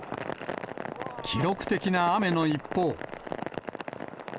記録的な雨の一方。